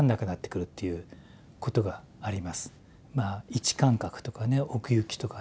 位置感覚とかね奥行きとかね方向とかね。